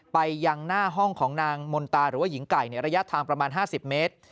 ไปยังหน้าห้องของนางมนตาหรือว่าหญิงไก่ในระยะทางประมาณ๕๐เมตร